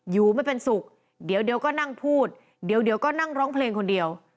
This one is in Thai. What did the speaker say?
อยู่ไม่เป็นสุขเดี๋ยวก็นั่งพูดเดี๋ยวก็นั่งร้องเพลงคนเดียว